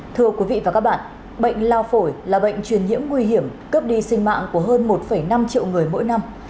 thưa quý vị và các bạn bệnh lao phổi là bệnh truyền nhiễm nguy hiểm cướp đi sinh mạng của hơn một năm triệu người mỗi năm